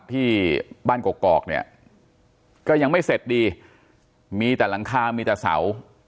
ที่บ้านกอกเนี่ยก็ยังไม่เสร็จดีมีแต่หลังคามีแต่เสา